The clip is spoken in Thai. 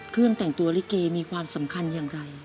เครื่องแต่งตัวลิเกมีความสำคัญอย่างไร